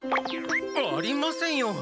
ありませんよ